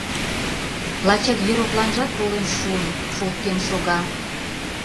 Лачак еропланжат волен шуын, шолткен шога.